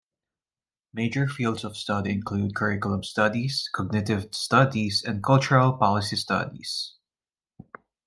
Major fields of study include curriculum studies, cognitive studies and cultural and policy studies.